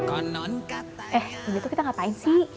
eh ini tuh kita ngapain sih